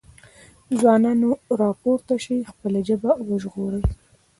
ځوانانو راپورته شئ خپله ژبه وژغورئ۔